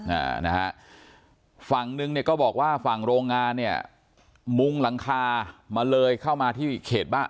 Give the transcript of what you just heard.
อ่านะฮะฝั่งนึงเนี่ยก็บอกว่าฝั่งโรงงานเนี่ยมุงหลังคามาเลยเข้ามาที่เขตบ้าน